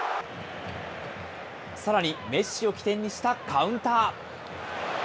さらにメッシを起点にしたカウンター。